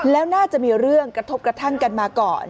แล้วน่าจะมีเรื่องกระทบกระทั่งกันมาก่อน